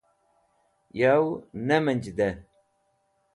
Yow Nemenjde